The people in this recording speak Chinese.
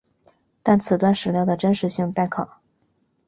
但此段史料的真实性待考。